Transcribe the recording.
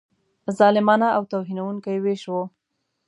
ظالمانه او توهینونکی وېش وو.